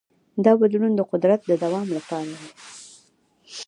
دا بدلون د قدرت د دوام لپاره دی.